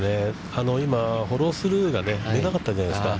今、フォロースルーが見えなかったんじゃないですか。